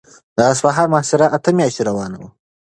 د اصفهان محاصره اته میاشتې روانه وه.